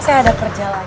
saya ada kerja lagi